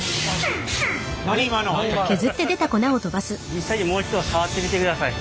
実際にもう一度触ってみてください。